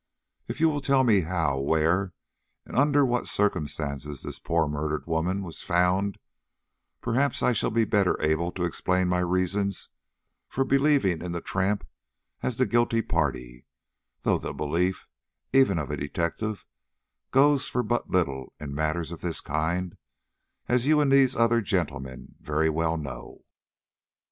"If you will tell me how, where, and under what circumstances this poor murdered woman was found, perhaps I shall be better able to explain my reasons for believing in the tramp as the guilty party; though the belief, even of a detective, goes for but little in matters of this kind, as you and these other gentlemen very well know."